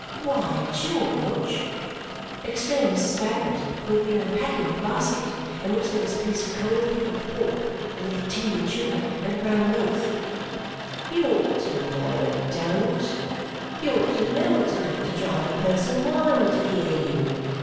"Why, George," exclaimed Mrs. Bagnet, who had been unpacking her basket, in which there was a piece of cold pickled pork, a little tea and sugar, and a brown loaf, "you ought to know it don't. You ought to know it's enough to drive a person wild to hear you.